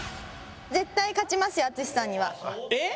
絶対勝ちますよ淳さんには。えっ？